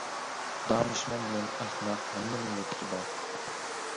دانىشمەن بىلەن ئەخمەق ھەممىلا يۇرتتا بار.